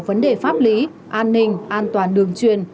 vấn đề pháp lý an ninh an toàn đường truyền